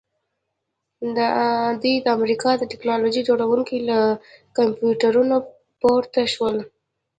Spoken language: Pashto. دوی د امریکا د ټیکنالوژۍ جوړونکي له کمپیوټرونو پورته شول